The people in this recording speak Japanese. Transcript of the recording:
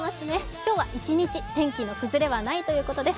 今日は一日、天気の崩れはないということです。